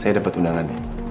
saya dapat undangannya